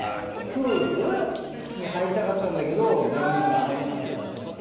プールに入りたかったんだけど残念ながら入れなかったとかね。